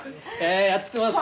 やってますか？